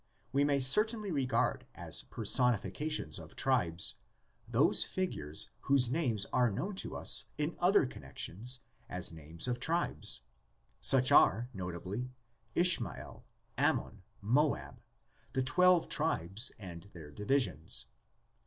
We may certainly regard as personifications of tribes those figures whose names are known to us in other connexions as names of tribes; such are, notably: Ishmael, Ammon, Moab, the twelve tribes and their divisions.